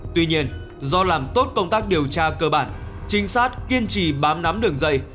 tuy nhiên do làm tốt công tác điều tra cơ bản trinh sát kiên trì bám nắm đường dây